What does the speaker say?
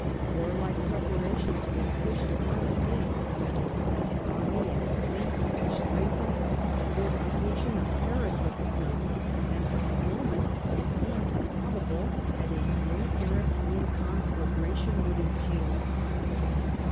Warlike preparations were pushed on apace ; the army and fleet were strengthened, the forti fication of Paris was begun, and for a moment it seemed probable that a great European conflagration would ensue.